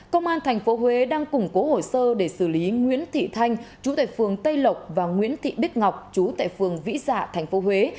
công an tp huế đang củng cố hồ sơ để xử lý nguyễn thị thanh chú tệ phường tây lộc và nguyễn thị bích ngọc chú tại phường vĩ dạ tp huế